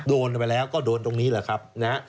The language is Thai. โดนไปแล้วก็โดนตรงนี้หรือครับ